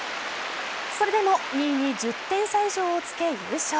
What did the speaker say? それでも２位に１０点差以上をつけ、優勝。